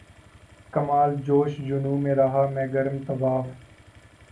کمال جوش جنوں میں رہا میں گرم طواف